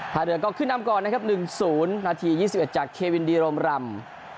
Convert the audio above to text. เรือก็ขึ้นนำก่อนนะครับ๑๐นาที๒๑จากเควินดีโรมรำ